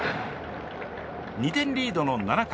２点リードの７回。